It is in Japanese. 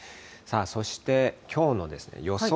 そしてきょうの予想